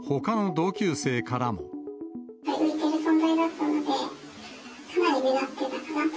浮いてる存在だったので、かなり目立っていたかなと。